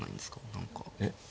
何か。